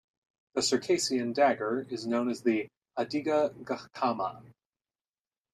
The Circassian dagger is known as the "adigha gkama".